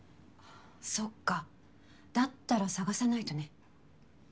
そっかだったら探さないとね。